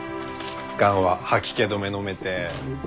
がんは吐き気止めのめて。